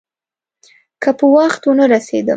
که په وخت ونه رسېدم.